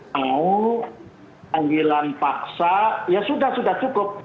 mau panggilan paksa ya sudah sudah cukup